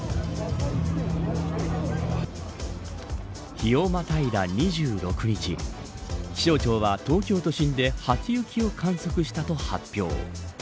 日をまたいだ２６日気象庁は東京都心で初雪を観測したと発表。